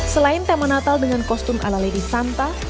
selain tema natal dengan kostum ala leri santa